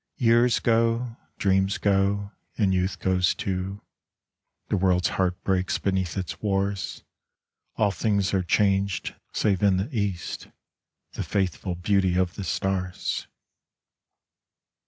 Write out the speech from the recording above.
Years go, dreams go, and youth goes too, The world's heart breaks beneath its wars, All things are changed, save in the east The faithful beauty of the stars.